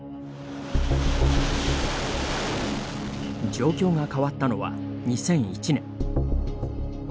状況が変わったのは２００１年。